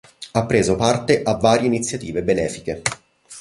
Ha preso parte a varie iniziative benefiche.